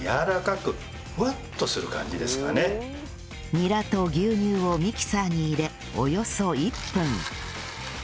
ニラと牛乳をミキサーに入れおよそ１分